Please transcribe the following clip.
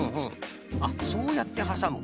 あっそうやってはさむ。